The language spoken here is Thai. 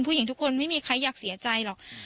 ผู้หญิงทุกคนไม่มีใครอยากเสียใจหรอก